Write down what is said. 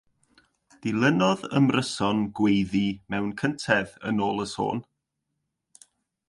Dilynodd ymryson gweiddi mewn cyntedd yn ôl y sôn.